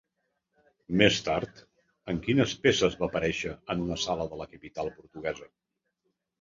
Més tard, en quines peces va aparèixer en una sala de la capital portuguesa?